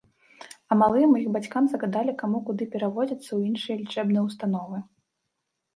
А малым і іх бацькам загадалі каму куды пераводзіцца ў іншыя лячэбныя ўстановы.